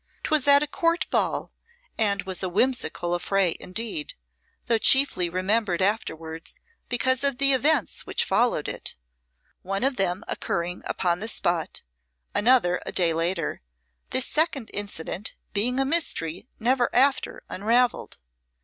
'Twas at a Court ball and was a whimsical affray indeed, though chiefly remembered afterwards because of the events which followed it one of them occurring upon the spot, another a day later, this second incident being a mystery never after unravelled.